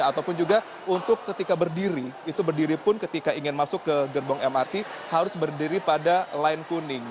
ataupun juga untuk ketika berdiri itu berdiri pun ketika ingin masuk ke gerbong mrt harus berdiri pada line kuning